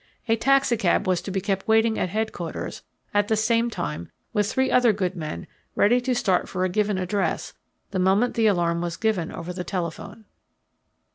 A taxicab was to be kept waiting at headquarters at the same time with three other good men ready to start for a given address the moment the alarm was given over the telephone.